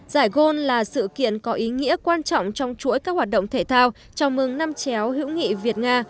giải gôn là sự kiện có ý nghĩa quan trọng trong chuỗi các hoạt động thể thao chào mừng năm chéo hữu nghị việt nga